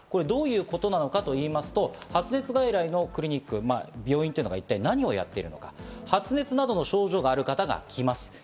どういうことかと言いますと、発熱外来のクリニック、病院というのが一体何をやっているのか、発熱などの症状がある人が来ます。